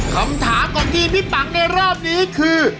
คำถามของทีมพี่ปังในรอบนี้คือ